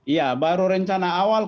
iya baru rencana awal